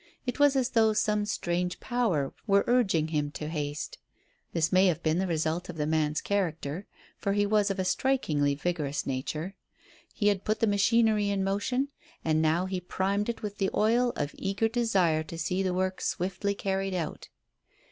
It was as though some strange power were urging him to haste. This may have been the result of the man's character, for he was of a strikingly vigorous nature. He had put the machinery in motion, and now he primed it with the oil of eager desire to see the work swiftly carried out.